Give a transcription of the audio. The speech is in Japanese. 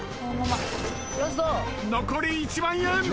残り１万円。